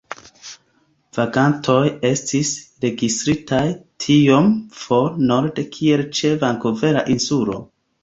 Vagantoj estis registritaj tiom for norde kiel ĉe Vankuvera Insulo.